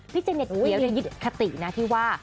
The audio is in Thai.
พิจารณีเกียรติคตินะที่ว่า